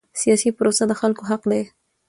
سیاسي پروسه د خلکو حق دی